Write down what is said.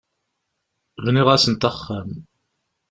Bniɣ-asent axxam.